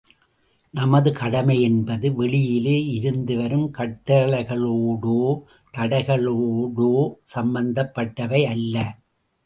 நமது கடமை என்பது, வெளியிலே இருந்து வரும் கட்டளைகளோடோ, தடைகளோடோ சம்பந்தப்பட்டவை அல்ல.